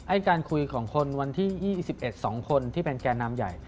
การคุยของคนวันที่๒๑๒คนที่เป็นแก่นำใหญ่